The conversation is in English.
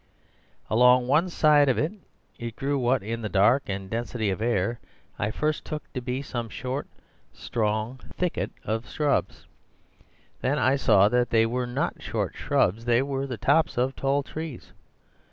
Along one side of it grew what, in the dark and density of air, I first took to be some short, strong thicket of shrubs. Then I saw that they were not short shrubs; they were the tops of tall trees.